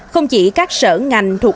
không chỉ các sở ngành thuộc